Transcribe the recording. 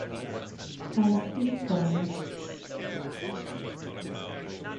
I still don't.